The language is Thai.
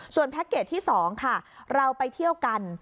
แพ็คเกจที่๒ค่ะเราไปเที่ยวกัน